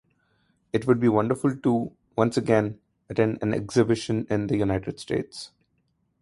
It would be wonderful to, once again, attend an exhibition in the United States.